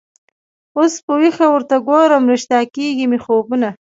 اوس په ویښه ورته ګورم ریشتیا کیږي مي خوبونه